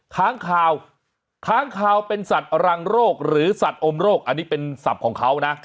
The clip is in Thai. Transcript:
ค้างคาวค้างข่าวเป็นสัตว์รังโรคหรือสัตว์อมโรคอันนี้เป็นศัพท์ของเขานะ